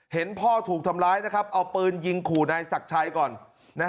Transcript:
เห็นพ่อถูกทำร้ายนะครับเอาปืนยิงขู่นายศักดิ์ชัยก่อน